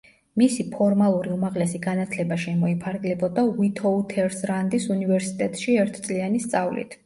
მისი ფორმალური უმაღლესი განათლება შემოიფარგლებოდა უითუოთერსრანდის უნივერსიტეტში ერთწლიანი სწავლით.